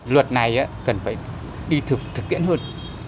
luật này cần phải đi thực hiện hơn